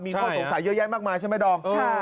มีข้อสงสัยเยอะแยะมากมายใช่ไหมดอม